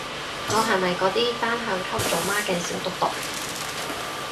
我係咪嗰啲單向溝組媽嘅小毒毒